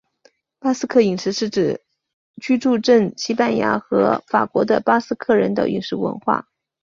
巴斯克饮食是指居住证西班牙和法国的巴斯克人的饮食文化。